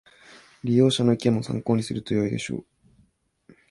利用者の意見も参考にするとよいでしょう